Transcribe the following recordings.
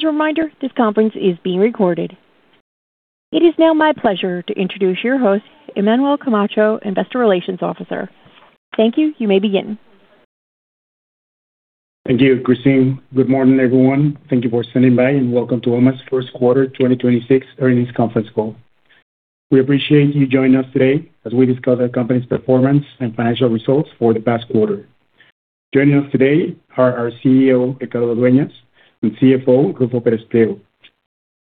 As a reminder, this conference is being recorded. It is now my pleasure to introduce your host, Emmanuel Camacho, Investor Relations Officer. Thank you. You may begin. Thank you, Christine. Good morning, everyone. Thank you for standing by, and welcome to OMA's First Quarter 2026 Earnings Conference Call. We appreciate you joining us today as we discuss the company's performance and financial results for the past quarter. Joining us today are our CEO, Ricardo Dueñas, and CFO, Ruffo Pérez Pliego.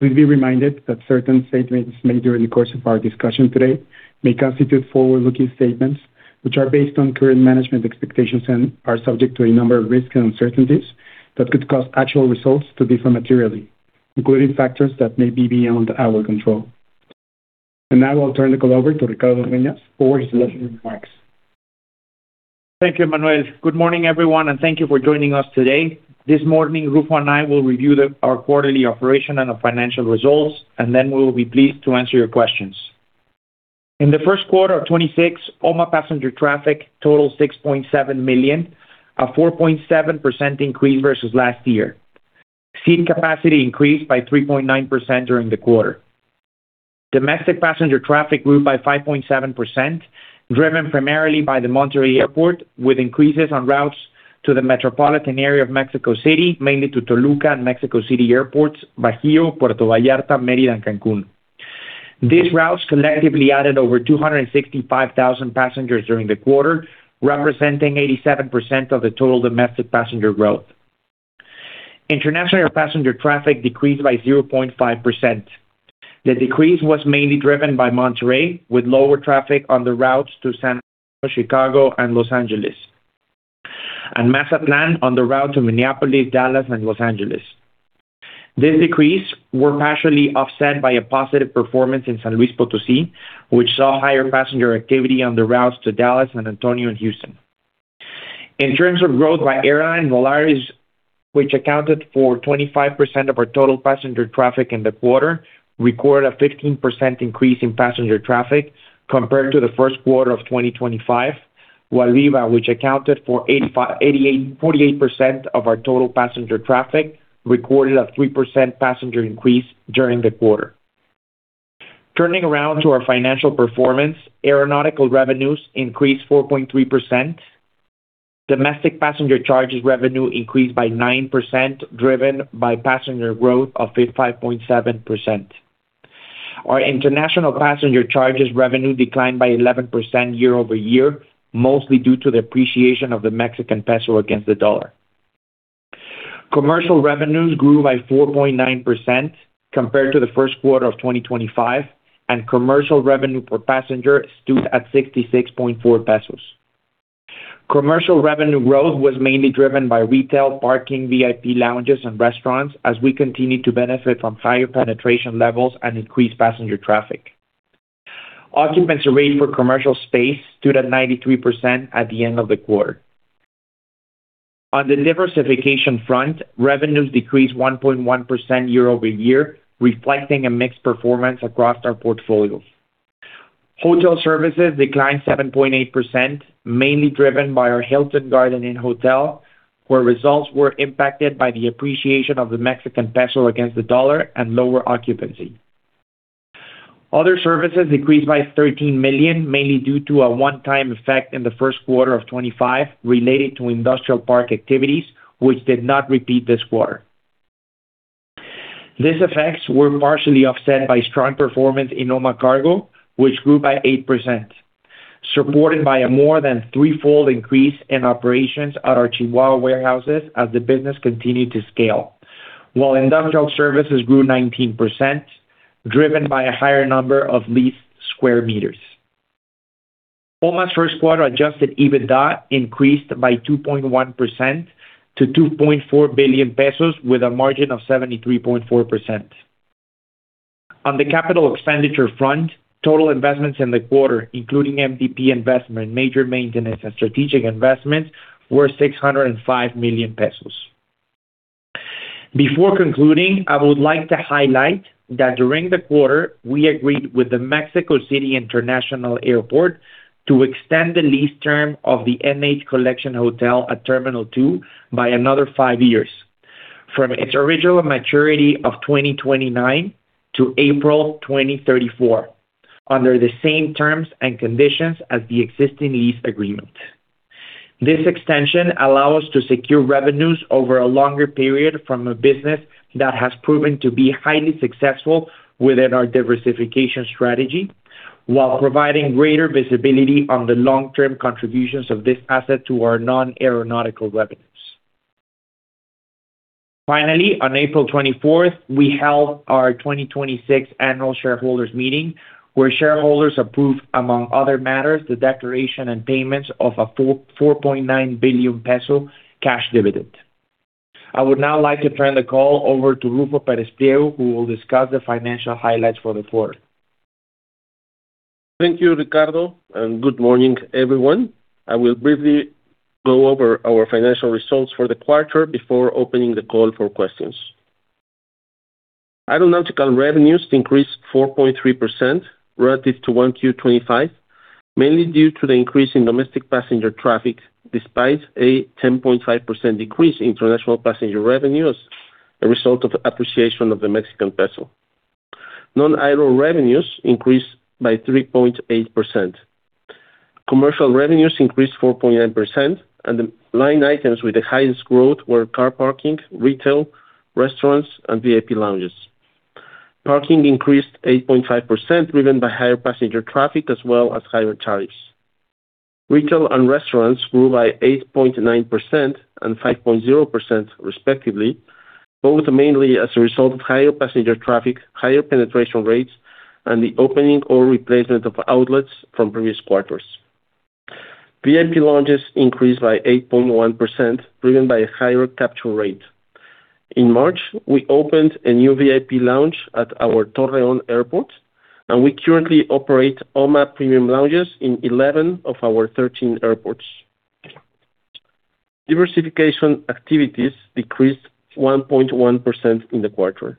Please be reminded that certain statements made during the course of our discussion today may constitute forward-looking statements which are based on current management expectations and are subject to a number of risks and uncertainties that could cause actual results to differ materially, including factors that may be beyond our control. Now I'll turn the call over to Ricardo Dueñas for his opening remarks. Thank you, Emmanuel. Good morning, everyone, and thank you for joining us today. This morning, Ruffo and I will review our quarterly operation and our financial results, and then we will be pleased to answer your questions. In the first quarter of 2026, OMA passenger traffic totaled 6.7 million, a 4.7% increase versus last year. Seat capacity increased by 3.9% during the quarter. Domestic passenger traffic grew by 5.7%, driven primarily by the Monterrey Airport, with increases on routes to the metropolitan area of Mexico City, mainly to Toluca and Mexico City airports, Bajío, Puerto Vallarta, Mérida, and Cancún. These routes collectively added over 265,000 passengers during the quarter, representing 87% of the total domestic passenger growth. International passenger traffic decreased by 0.5%. The decrease was mainly driven by Monterrey, with lower traffic on the routes to San Francisco, Chicago, and Los Angeles, and Mazatlán on the route to Minneapolis, Dallas, and Los Angeles. These decrease were partially offset by a positive performance in San Luis Potosí, which saw higher passenger activity on the routes to Dallas, San Antonio, and Houston. In terms of growth by airline, Volaris, which accounted for 25% of our total passenger traffic in the quarter, recorded a 15% increase in passenger traffic compared to the first quarter of 2025. Viva, which accounted for 48% of our total passenger traffic, recorded a 3% passenger increase during the quarter. Turning around to our financial performance, aeronautical revenues increased 4.3%. Domestic passenger charges revenue increased by 9%, driven by passenger growth of 55.7%. Our international passenger charges revenue declined by 11% year-over-year, mostly due to the appreciation of the Mexican peso against the dollar. Commercial revenues grew by 4.9% compared to the first quarter of 2025, and commercial revenue per passenger stood at 66.4 pesos. Commercial revenue growth was mainly driven by retail, parking, OMA Premium Lounges, and restaurants as we continued to benefit from higher penetration levels and increased passenger traffic. Occupancy rate for commercial space stood at 93% at the end of the quarter. On the diversification front, revenues decreased 1.1% year-over-year, reflecting a mixed performance across our portfolios. Hotel services declined 7.8%, mainly driven by our Hilton Garden Inn hotel, where results were impacted by the appreciation of the Mexican peso against the dollar and lower occupancy. Other services decreased by 13 million, mainly due to a one-time effect in the first quarter of 2025 related to industrial park activities, which did not repeat this quarter. These effects were partially offset by strong performance in OMA Cargo, which grew by 8%, supported by a more than threefold increase in operations at our Chihuahua warehouses as the business continued to scale. While industrial services grew 19%, driven by a higher number of leased sq m. OMA's first quarter adjusted EBITDA increased by 2.1% to 2.4 billion pesos with a margin of 73.4%. On the capital expenditure front, total investments in the quarter, including MDP investment, major maintenance, and strategic investments, were 605 million pesos. Before concluding, I would like to highlight that during the quarter, we agreed with the Mexico City International Airport to extend the lease term of the NH Collection Hotel at Terminal 2 by another five years from its original maturity of 2029 to April 2034, under the same terms and conditions as the existing lease agreement. This extension allow us to secure revenues over a longer period from a business that has proven to be highly successful within our diversification strategy while providing greater visibility on the long-term contributions of this asset to our non-aeronautical revenues. On April 24th, we held our 2026 annual shareholders meeting, where shareholders approved, among other matters, the declaration and payments of a 4.9 billion peso cash dividend. I would now like to turn the call over to Ruffo Pérez Pliego, who will discuss the financial highlights for the quarter. Thank you, Ricardo, and good morning, everyone. I will briefly go over our financial results for the quarter before opening the call for questions. Aeronautical revenues increased 4.3% relative to 1Q 2025, mainly due to the increase in domestic passenger traffic despite a 10.5% decrease in international passenger revenues as a result of appreciation of the Mexican peso. Non-aero revenues increased by 3.8%. Commercial revenues increased 4.9%, the line items with the highest growth were car parking, retail, restaurants, and OMA Premium Lounges. Parking increased 8.5%, driven by higher passenger traffic as well as higher tariffs. Retail and restaurants grew by 8.9% and 5.0% respectively, both mainly as a result of higher passenger traffic, higher penetration rates, and the opening or replacement of outlets from previous quarters. OMA Premium Lounges increased by 8.1%, driven by a higher capture rate. In March, we opened a new VIP lounge at our Torreón Airport, and we currently operate OMA Premium Lounges in 11 of our 13 airports. Diversification activities decreased 1.1% in the quarter.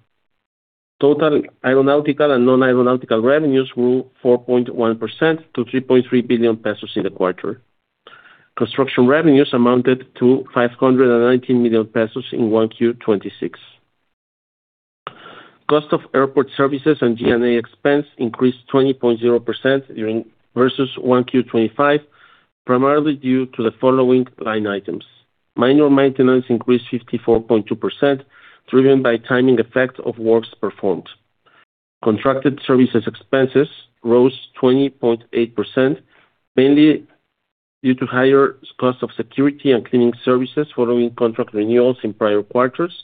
Total aeronautical and non-aeronautical revenues grew 4.1% to 3.3 billion pesos in the quarter. Construction revenues amounted to 519 million pesos in 1Q 2026. Cost of airport services and G&A expense increased 20.0% versus 1Q 2025, primarily due to the following line items. Minor maintenance increased 54.2%, driven by timing effect of works performed. Contracted services expenses rose 20.8%, mainly due to higher cost of security and cleaning services following contract renewals in prior quarters,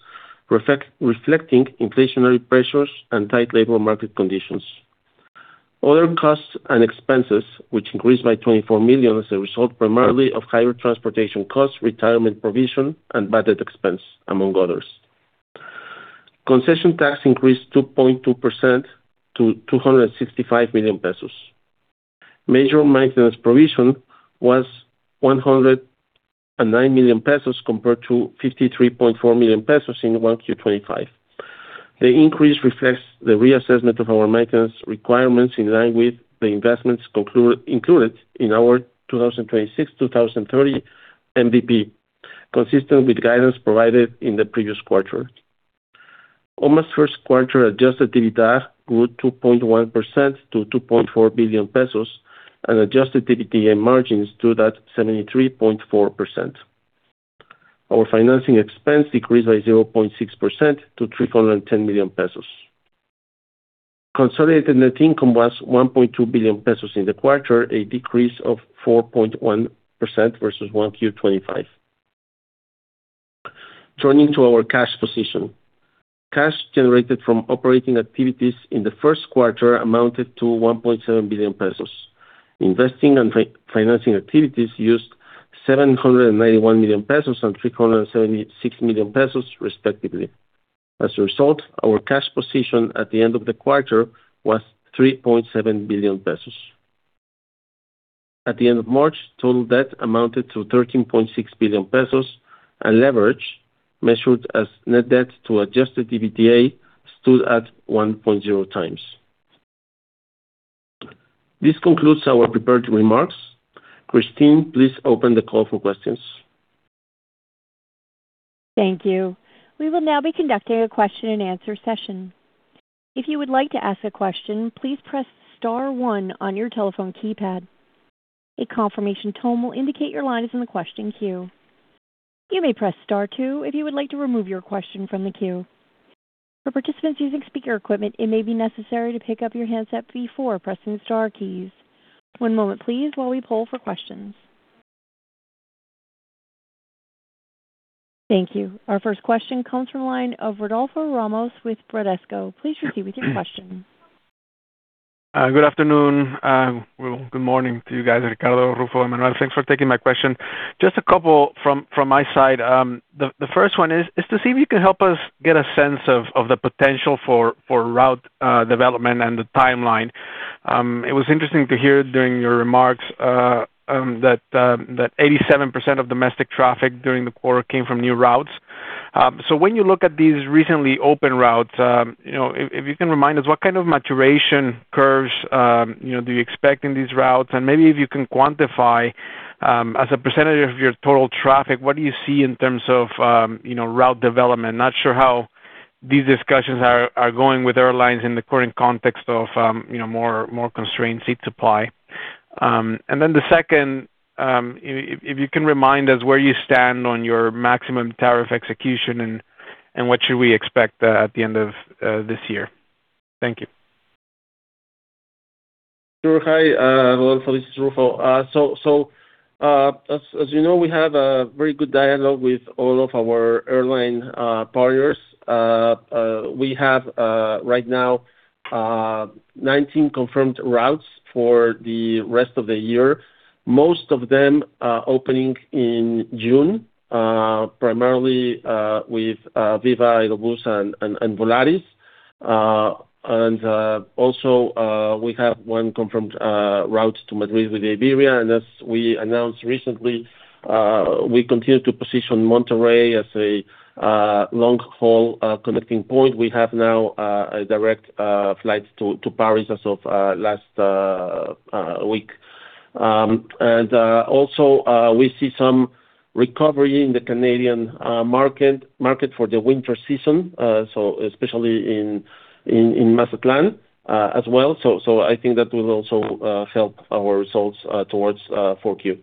reflecting inflationary pressures and tight labor market conditions. Other costs and expenses, which increased by 24 million as a result primarily of higher transportation costs, retirement provision, and budget expense, among others. Concession tax increased 2.2% to 265 million pesos. Major maintenance provision was 109 million pesos compared to 53.4 million pesos in 1Q 2025. The increase reflects the reassessment of our maintenance requirements in line with the investments included in our 2026, 2030 MDP, consistent with guidance provided in the previous quarter. OMA's first quarter adjusted EBITDA grew 2.1% to 2.4 billion pesos and adjusted EBITDA margins stood at 73.4%. Our financing expense decreased by 0.6% to 310 million pesos. Consolidated net income was 1.2 billion pesos in the quarter, a decrease of 4.1% versus 1Q 2025. Turning to our cash position. Cash generated from operating activities in the first quarter amounted to 1.7 billion pesos. Investing and financing activities used 791 million pesos and 376 million pesos respectively. As a result, our cash position at the end of the quarter was 3.7 billion pesos. At the end of March, total debt amounted to 13.6 billion pesos, and leverage, measured as net debt to adjusted EBITDA, stood at 1.0x. This concludes our prepared remarks. Christine, please open the call for questions. Our first question comes from the line of Rodolfo Ramos with Bradesco. Please proceed with your question. Good afternoon, well, good morning to you guys, Ricardo, Ruffo, Emmanuel. Thanks for taking my question. Just a couple from my side. The first one is to see if you can help us get a sense of the potential for route development and the timeline. It was interesting to hear during your remarks that 87% of domestic traffic during the quarter came from new routes. When you look at these recently opened routes, if you can remind us what kind of maturation curves, do you expect in these routes? Maybe if you can quantify, as a % of your total traffic, what do you see in terms of, route development? Not sure how these discussions are going with airlines in the current context of, more constrained seat supply. The second, if you can remind us where you stand on your maximum tariff execution, what should we expect at the end of this year? Thank you. Sure. Hi, Rodolfo, this is Ruffo. As you know, we have a very good dialogue with all of our airline partners. We have right now 19 confirmed routes for the rest of the year. Most of them opening in June. Primarily with Viva Aerobus and Volaris. Also we have one confirmed route to Madrid with Iberia. As we announced recently, we continue to position Monterrey as a long-haul connecting point. We have now a direct flight to Paris as of last week. Also we see some recovery in the Canadian market for the winter season, so especially in Mazatlan as well. I think that will also help our results towards 4Q.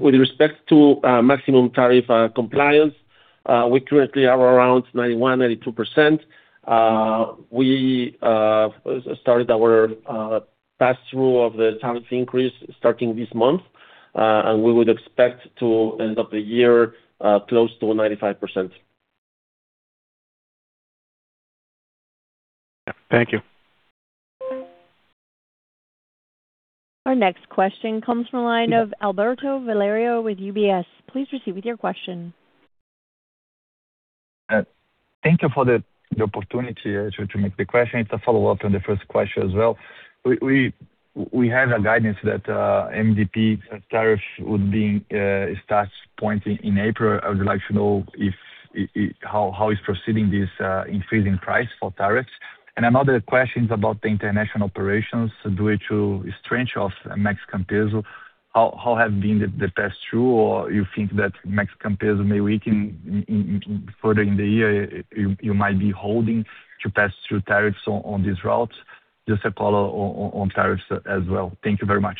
With respect to maximum tariff compliance, we currently are around 91%-92%. We started our pass-through of the tariff increase starting this month. We would expect to end of the year close to 95%. Thank you. Our next question comes from the line of Alberto Valerio with UBS. Please proceed with your question. Thank you for the opportunity to make the question. It's a follow-up on the first question as well. We have a guidance that MDP tariff would be start pointing in April. I would like to know how it's proceeding this increasing price for tariffs. Another question is about the international operations due to strength of Mexican peso. How have been the pass-through, or you think that Mexican peso may weaken further in the year, you might be holding to pass through tariffs on these routes? Just a follow-on tariffs as well. Thank you very much.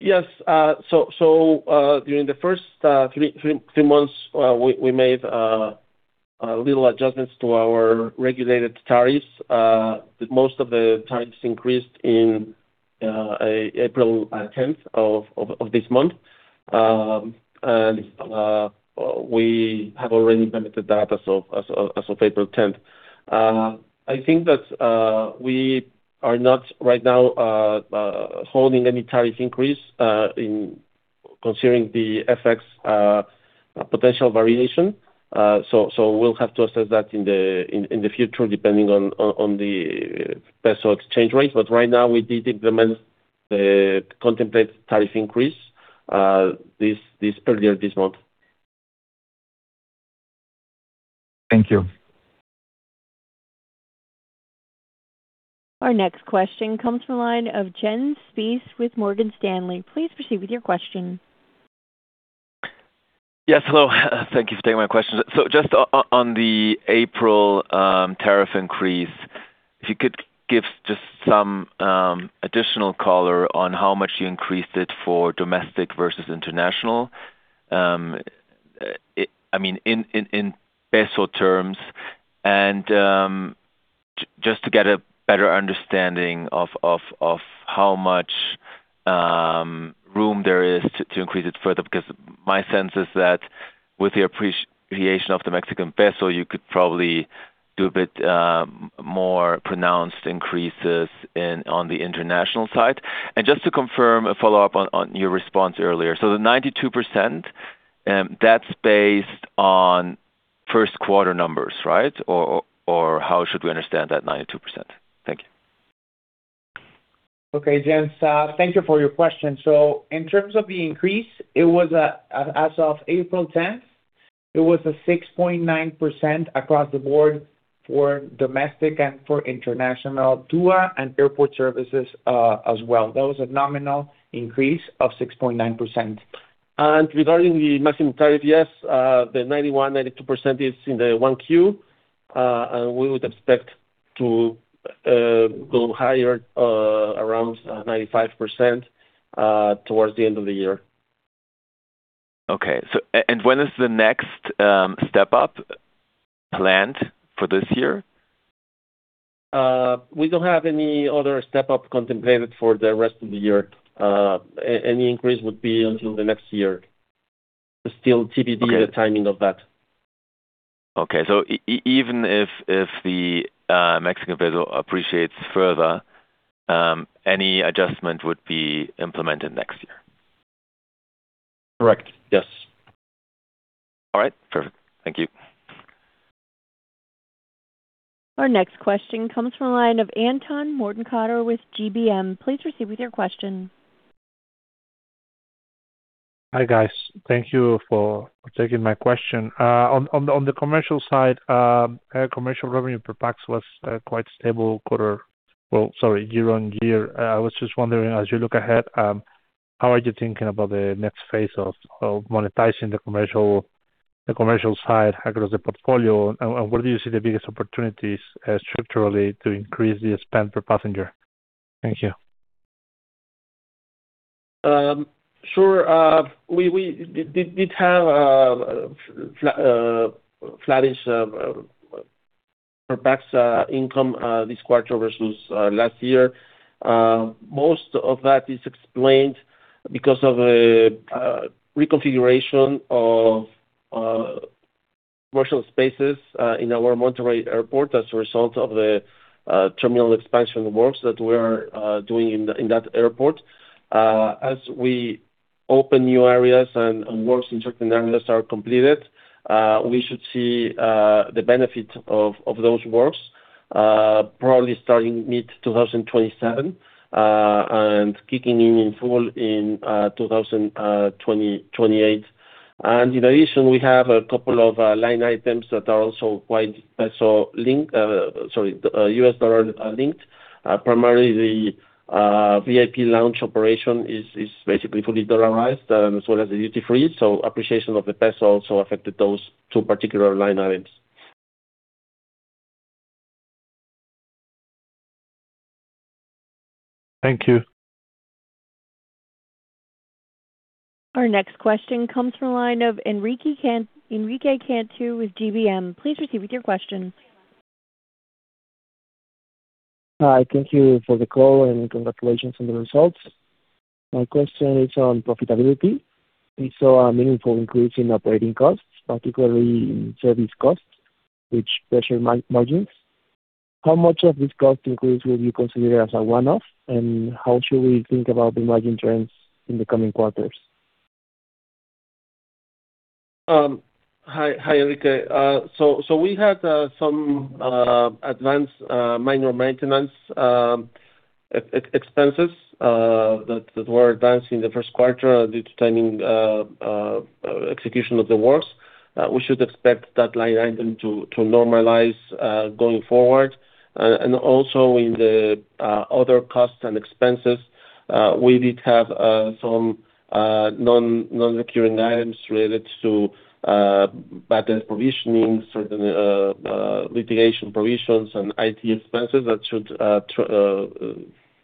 Yes. So, during the first three months, we made little adjustments to our regulated tariffs. Most of the tariffs increased in April 10th of this month. We have already implemented that as of April 10th. I think that we are not right now holding any tariff increase in considering the FX potential variation. So we'll have to assess that in the future, depending on the peso exchange rate. Right now, we did implement the contemplate tariff increase this earlier this month. Thank you. Our next question comes from the line of Jens Spiess with Morgan Stanley. Please proceed with your question. Yes, hello. Thank you for taking my questions. Just on the April tariff increase, if you could give just some additional color on how much you increased it for domestic versus international. I mean, in peso terms. Just to get a better understanding of how much room there is to increase it further. My sense is that with the appreciation of the Mexican peso, you could probably do a bit more pronounced increases on the international side. Just to confirm, a follow-up on your response earlier. The 92%, that's based on first quarter numbers, right? Or how should we understand that 92%? Thank you. Okay. Jens, thank you for your question. In terms of the increase, it was, as of April 10th, it was a 6.9% across the board for domestic and for international, TUA and airport services, as well. That was a nominal increase of 6.9%. Regarding the maximum tariff, yes, the 91%-92% is in the 1Q. We would expect to go higher, around 95%, towards the end of the year. Okay. When is the next step up planned for this year? We don't have any other step up contemplated for the rest of the year. Any increase would be until the next year. It's still TBD. Okay. The timing of that. Okay. Even if the Mexican peso appreciates further, any adjustment would be implemented next year? Correct. Yes. All right. Perfect. Thank you. Our next question comes from the line of Anton Mortenkotter with GBM. Please proceed with your question. Hi, guys. Thank you for taking my question. On the commercial side, commercial revenue per pax was quite stable year-on-year. I was just wondering, as you look ahead, how are you thinking about the next phase of monetizing the commercial side across the portfolio? Where do you see the biggest opportunities structurally to increase the spend per passenger? Thank you. We did have flat, flattish per pax income this quarter versus last year. Most of that is explained because of reconfiguration of Commercial spaces in our Monterrey airport as a result of the terminal expansion works that we're doing in that airport. As we open new areas and works in certain areas are completed, we should see the benefit of those works probably starting mid 2027 and kicking in in full in 2028. In addition, we have a couple of line items that are also quite peso linked, sorry, the US dollar linked. Primarily the VIP lounge operation is basically fully dollarized, as well as the duty-free. Appreciation of the peso also affected those two particular line items. Thank you. Our next question comes from the line of Enrique Cantú with GBM. Please proceed with your question. Hi, thank you for the call and congratulations on the results. My question is on profitability. We saw a meaningful increase in operating costs, particularly in service costs, which pressure margins. How much of this cost increase will you consider as a one-off, and how should we think about the margin trends in the coming quarters? Hi, hi, Enrique. We had some advanced minor maintenance expenses that were advanced in the first quarter due to timing execution of the works. We should expect that line item to normalize going forward. Also in the other costs and expenses, we did have some non-recurring items related to patent provisioning, certain litigation provisions and IT expenses that should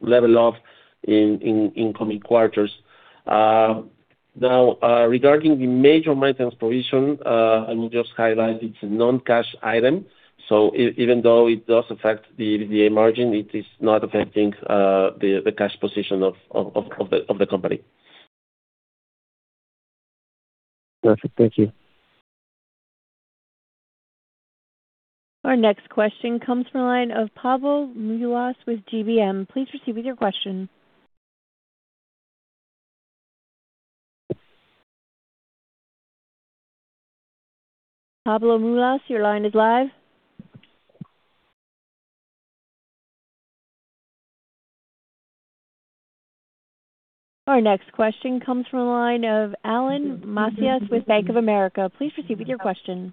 level off in coming quarters. Now, regarding the Major Maintenance Provision, I will just highlight it's a non-cash item, so even though it does affect the margin, it is not affecting the cash position of the company. Perfect. Thank you. Our next question comes from the line of Pablo Monsivais with GBM. Please proceed with your question. Pablo Monsivais, your line is live. Our next question comes from the line of Alan Macías with Bank of America. Please proceed with your question.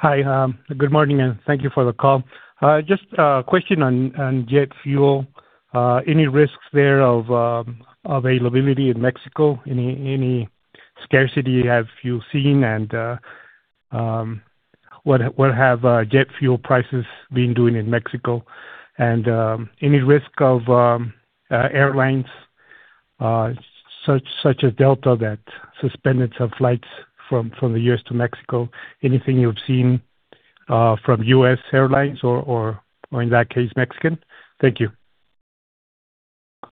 Hi, good morning, thank you for the call. Just a question on jet fuel. Any risks there of availability in Mexico? Any scarcity have you seen? What have jet fuel prices been doing in Mexico? Any risk of airlines such as Delta that suspended some flights from the U.S. to Mexico? Anything you've seen from U.S. airlines or in that case, Mexican? Thank you.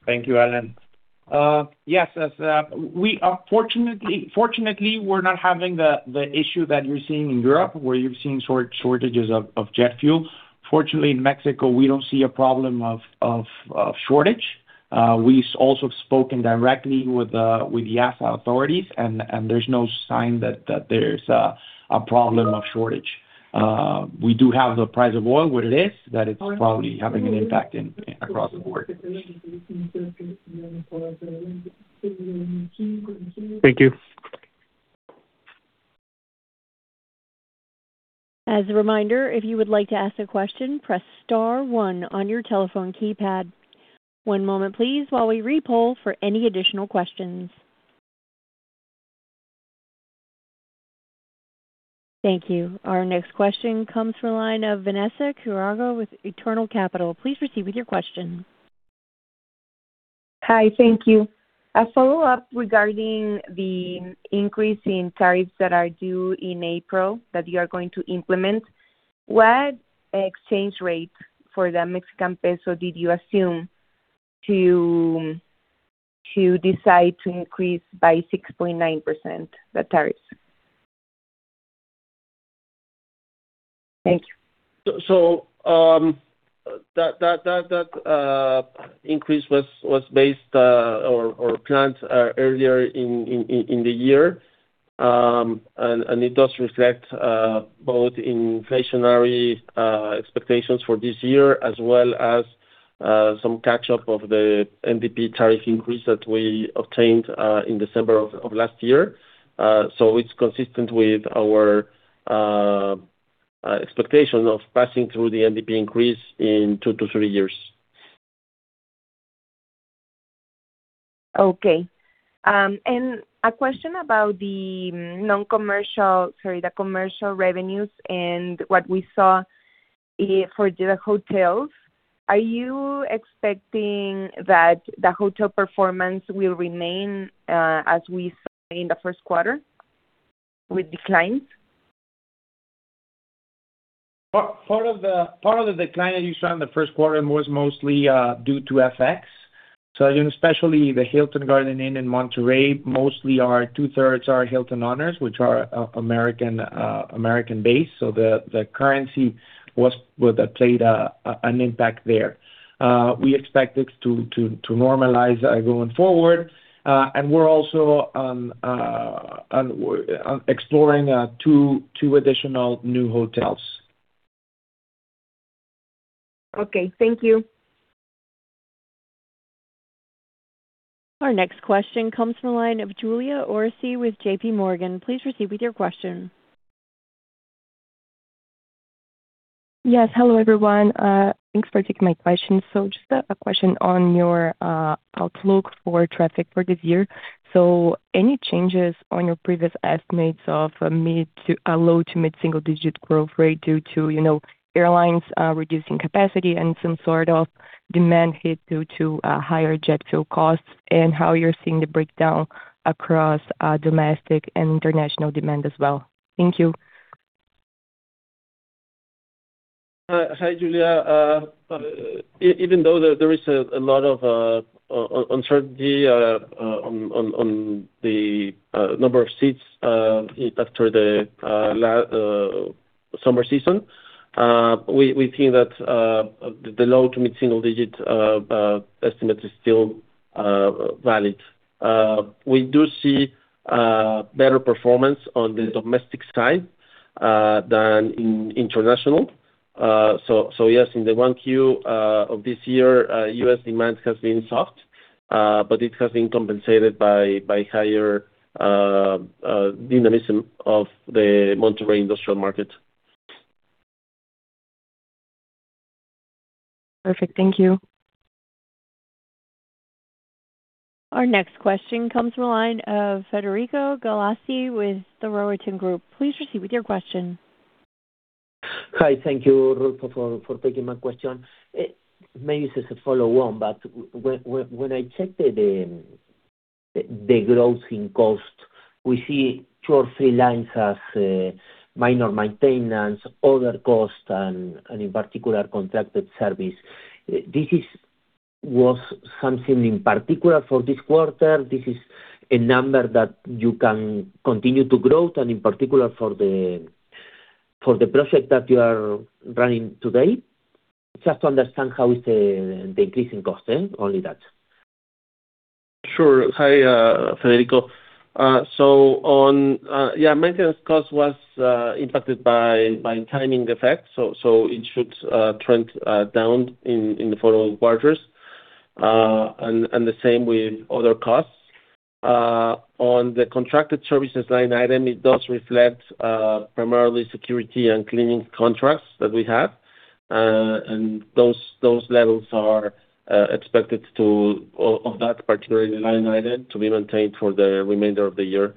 Thank you, Alan. Yes, as we are fortunately, we're not having the issue that you're seeing in Europe, where you've seen shortages of jet fuel. Fortunately, in Mexico, we don't see a problem of shortage. We also have spoken directly with the FAA authorities, and there's no sign that there is a problem of shortage. We do have the price of oil where it is, that it's probably having an impact across the board. Thank you. As a reminder, if you would like to ask a question, press star one on your telephone keypad. One moment, please, while we repoll for any additional questions. Thank you. Our next question comes from the line of Vanessa Quiroga with Eternal Capital. Please proceed with your question. Hi. Thank you. A follow-up regarding the increase in tariffs that are due in April that you are going to implement. What exchange rate for the Mexican peso did you assume to decide to increase by 6.9% the tariffs? Thank you. That increase was based or planned earlier in the year. It does reflect both inflationary expectations for this year, as well as some catch-up of the MDP tariff increase that we obtained in December of last year. It's consistent with our expectation of passing through the MDP increase in two-three years. Okay. A question about the sorry, the commercial revenues and what we saw for the hotels. Are you expecting that the hotel performance will remain as we saw in the first quarter with declines? Part of the decline that you saw in the first quarter was mostly due to FX. Especially the Hilton Garden Inn in Monterrey, mostly our 2/3 are Hilton Honors, which are American-based. The currency would have played an impact there. We expect it to normalize going forward. And we're also exploring two additional new hotels. Okay. Thank you. Our next question comes from the line of Julia Orsi with JPMorgan. Please proceed with your question. Yes, hello, everyone. Thanks for taking my question. Just a question on your outlook for traffic for this year. Any changes on your previous estimates of a low to mid-single-digit growth rate due to, airlines reducing capacity and some sort of demand hit due to higher jet fuel costs, and how you're seeing the breakdown across domestic and international demand as well? Thank you. Hi, Julia. Even though there is a lot of uncertainty on the number of seats after the summer season, we think that the low to mid-single digit estimate is still valid. We do see better performance on the domestic side than in international. Yes, in the 1Q of this year, U.S. demand has been soft, but it has been compensated by higher dynamism of the Monterrey industrial market. Perfect. Thank you. Our next question comes from the line of Federico Galassi with The Rohatyn Group. Please proceed with your question. Hi. Thank you, Ruffo, for taking my question. Maybe this is a follow on, when I checked the growth in cost, we see two or three lines as minor maintenance, other costs, and in particular, contracted service. Was something in particular for this quarter? This is a number that you can continue to grow, and in particular for the project that you are running today? Just to understand how is the increase in cost? Only that. Sure. Hi, Federico. Maintenance cost was impacted by timing effects, it should trend down in the following quarters. The same with other costs. On the contracted services line item, it does reflect primarily security and cleaning contracts that we have, and those levels are expected to of that particular line item to be maintained for the remainder of the year.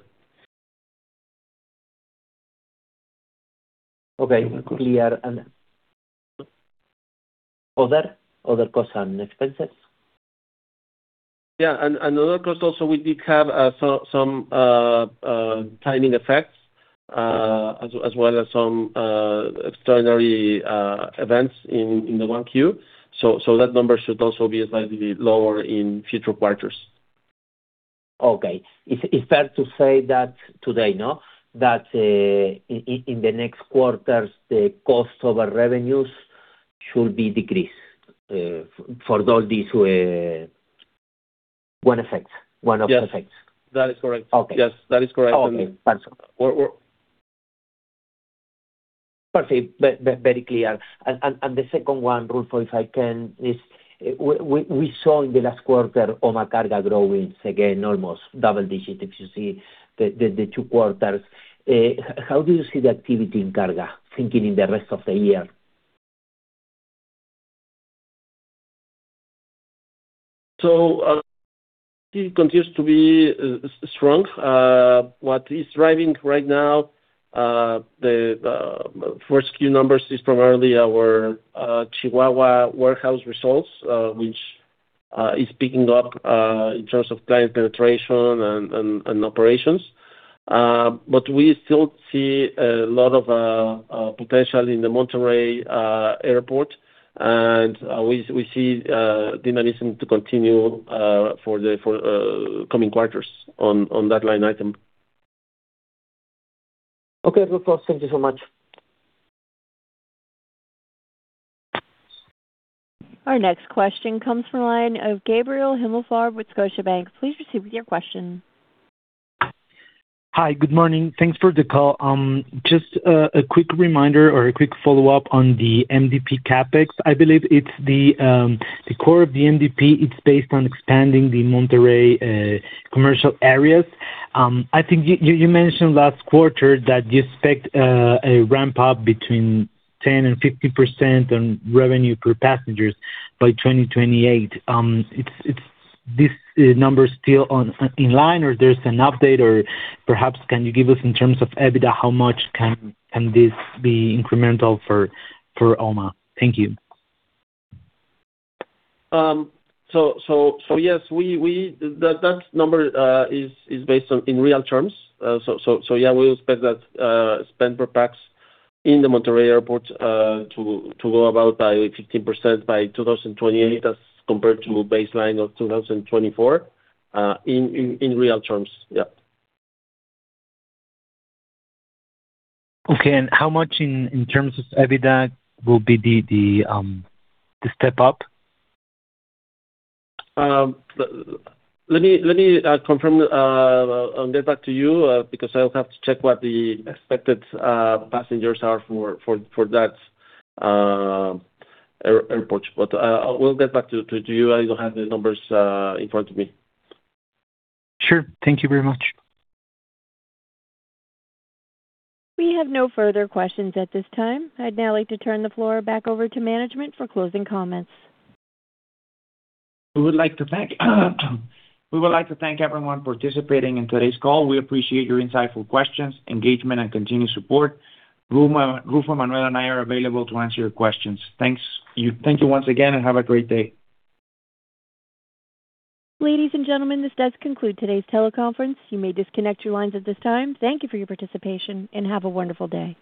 Okay. Clear. Other costs are unexpected? Yeah. Other costs also we did have some timing effects as well as some extraordinary events in the 1Q. That number should also be slightly lower in future quarters. Okay. It's fair to say that today, no? In the next quarters, the cost over revenues should be decreased for all these one-off effects. Yes. That is correct. Okay. Yes. That is correct. Okay. Thanks. We're, we're. Perfect. Very clear. The second one, Ruffo, if I can, is we saw in the last quarter OMA Cargo growing again almost double digits if you see the two quarters. How do you see the activity in cargo, thinking in the rest of the year? It continues to be strong. What is driving right now the first Q numbers is primarily our Chihuahua warehouse results, which is picking up in terms of client penetration and operations. We still see a lot of potential in the Monterrey airport, and we see dynamism to continue for the coming quarters on that line item. Okay. Ruffo, thank you so much. Our next question comes from the line of Gabriel Himelfarb with Scotiabank. Please proceed with your question. Hi. Good morning. Thanks for the call. Just a quick reminder or a quick follow-up on the MDP CapEx. I believe it's the core of the MDP, it's based on expanding the Monterrey commercial areas. I think you mentioned last quarter that you expect a ramp up between 10% and 15% on revenue per passengers by 2028. It's this number still in line, or there's an update, or perhaps can you give us in terms of EBITDA, how much can this be incremental for OMA? Thank you. Yes, that number is based on in real terms. We expect that spend per pax in the Monterrey Airport to go up by 15% by 2028 as compared to baseline of 2024 in real terms. Okay. How much in terms of EBITDA will be the step up? Let me, let me confirm, I'll get back to you because I'll have to check what the expected passengers are for that airport. I will get back to you. I don't have the numbers in front of me. Sure. Thank you very much. We have no further questions at this time. I'd now like to turn the floor back over to management for closing comments. We would like to thank everyone for participating in today's call. We appreciate your insightful questions, engagement, and continued support. Ruffo, Emmanuel, and I are available to answer your questions. Thank you. Thank you once again, and have a great day. Ladies and gentlemen, this does conclude today's teleconference. You may disconnect your lines at this time. Thank you for your participation, and have a wonderful day.